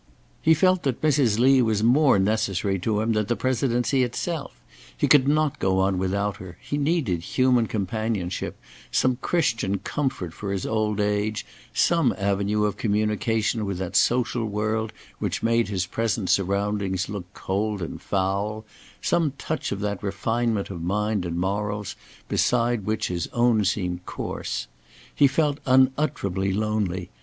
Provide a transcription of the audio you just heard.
He felt that Mrs. Lee was more necessary to him than the Presidency itself; he could not go on without her; he needed human companionship; some Christian comfort for his old age; some avenue of communication with that social world, which made his present surroundings look cold and foul; some touch of that refinement of mind and morals beside which his own seemed coarse. He felt unutterably lonely.